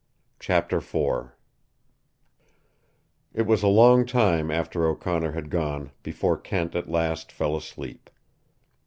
CHAPTER IV It was a long time after O'Connor had gone before Kent at last fell asleep.